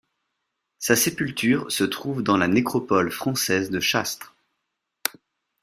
Sa sépulture se trouve dans la nécropole française de Chastre.